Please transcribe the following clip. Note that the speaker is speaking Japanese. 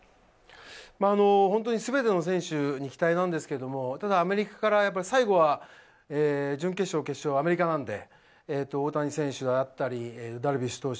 全ての選手に期待なんですけども、ただ、最後は準決勝、決勝、アメリカなんで大谷選手があったり、ダルビッシュ投手